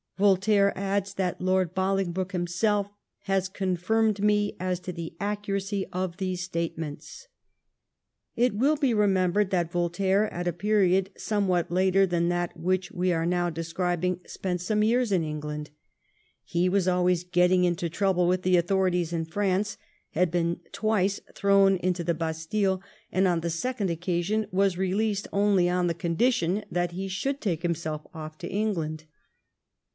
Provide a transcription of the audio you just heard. Voltaire adds that 'Lord Bolingbroke himself has confirmed me as to the accuracy of these statements.' It will be remembered that Voltaire, at a period somewhat later than that which we are now describ ing, spent some years in England. He was always getting into trouble with the authorities in France, had been twice thrown into the Bastille, and on the second occasion was released only on the condition that he should take himself off to England.